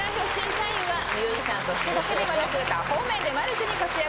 ミュージシャンとしてだけではなく多方面でマルチに活躍